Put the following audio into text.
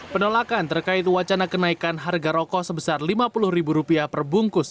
penolakan terkait wacana kenaikan harga rokok sebesar rp lima puluh perbungkus